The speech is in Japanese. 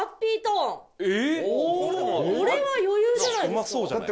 これは余裕じゃないですか？